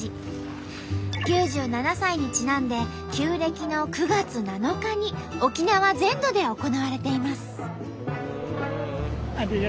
９７歳にちなんで旧暦の９月７日に沖縄全土で行われています。